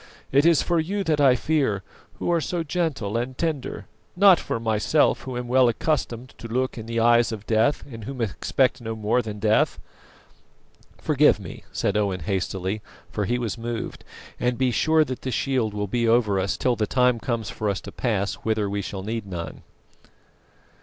It is for you that I fear, who are so gentle and tender; not for myself, who am well accustomed to look in the eyes of Death, and who expect no more than death." "Forgive me," said Owen hastily, for he was moved; "and be sure that the shield will be over us till the time comes for us to pass whither we shall need none."